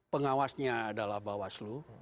pengawasnya adalah mbak waslu